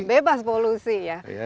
bebas polusi ya